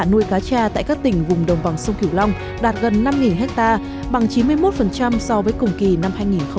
cá tra đã nuôi cá tra tại các tỉnh vùng đồng bằng sông cửu long đạt gần năm ha bằng chín mươi một so với cùng kỳ năm hai nghìn một mươi chín